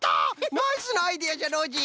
ナイスなアイデアじゃノージー！